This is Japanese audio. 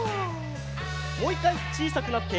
もう１かいちいさくなって。